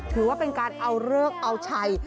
ถือว่าเป็นการเอาเลิกเอาชัย